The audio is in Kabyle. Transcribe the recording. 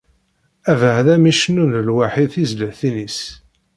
Abeɛda mi cennun lwaḥi tizlatin-is.